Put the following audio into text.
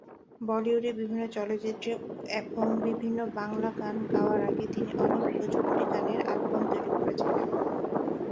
বলিউডের বিভিন্ন চলচ্চিত্রে এবং বিভিন্ন বাংলা গান গাওয়ার আগে তিনি অনেক ভোজপুরি গানের অ্যালবাম তৈরি করেছিলেন।